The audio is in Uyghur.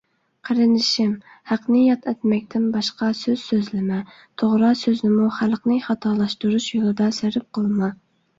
قېرىندىشىم، ھەقنى ياد ئەتمەكتىن باشقا سۆز سۆزلىمە. توغرا سۆزنىمۇ خەلقنى خاتالاشتۇرۇش يولىدا سەرپ قىلما.